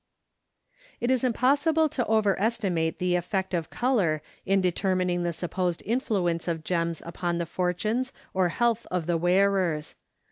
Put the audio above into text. It is impossible to over estimate the effect of color in determining the supposed influence of gems upon the fortunes or health of the wearers.